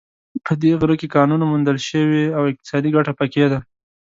په دې غره کې کانونو موندل شوې او اقتصادي ګټه په کې ده